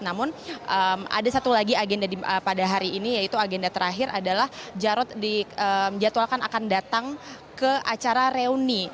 namun ada satu lagi agenda pada hari ini yaitu agenda terakhir adalah jarod dijadwalkan akan datang ke acara reuni